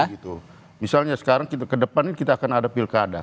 misalnya sekarang ke depan ini kita akan ada pilkada